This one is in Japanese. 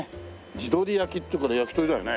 地鶏焼きっていうから焼き鳥だよね。